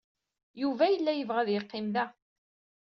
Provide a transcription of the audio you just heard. Yuba yella yebɣa ad yeqqim da.